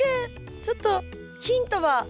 ちょっとヒントは？